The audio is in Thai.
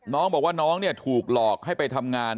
น้องบอกว่าน้องเนี่ยถูกหลอกให้ไปทำงาน